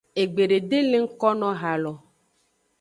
Egbede de le ngkono ha lo.